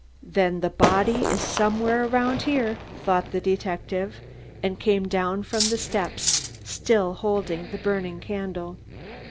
"Then the body is somewhere around here," thought the detective and came down from the steps, still holding the burning candle.